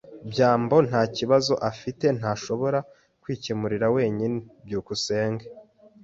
byambo ntakibazo afite ntashobora kwikemurira wenyine. byukusenge